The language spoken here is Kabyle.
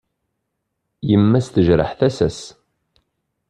Yemma-s tejreḥ tasa-s.